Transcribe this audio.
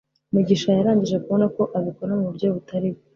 mugisha yarangije kubona ko abikora muburyo butari bwo